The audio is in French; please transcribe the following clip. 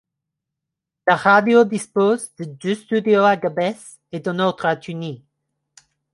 La radio dispose de deux studios à Gabès et d'un autre à Tunis.